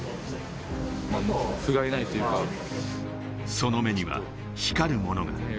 その目には光るものが。